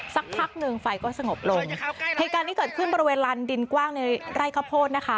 สักพักหนึ่งไฟก็สงบลงเหตุการณ์ที่เกิดขึ้นบริเวณลานดินกว้างในไร่ข้าวโพดนะคะ